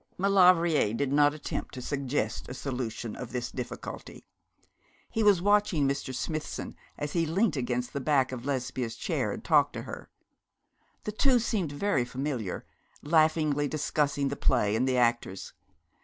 Maulevrier did not attempt to suggest a solution of this difficulty. He was watching Mr. Smithson as he leant against the back of Lesbia's chair and talked to her. The two seemed very familiar, laughingly discussing the play and the actors.